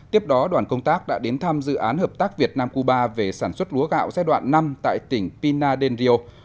tiếp đó đoàn công tác đã đến thăm dự án hợp tác việt nam cuba về sản xuất lúa gạo giai đoạn năm tại tỉnh pina del rio